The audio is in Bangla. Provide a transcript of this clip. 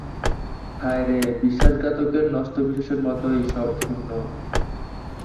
হায় রে, বিশ্বাসঘাতকের নষ্ট বিশ্বাসের মতোই সব শূন্য।